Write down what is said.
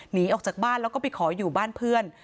หนีออกจากบ้านแล้วก็ไปขออยู่บ้านเพื่อน